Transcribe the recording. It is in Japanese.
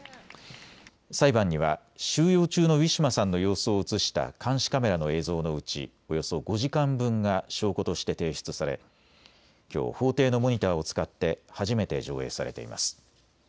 裁判には収容中のウィシュマさんの様子を写した監視カメラの映像のうち、およそ５時間分が証拠として提出されきょう法廷のモニターを使って初めて上映されています。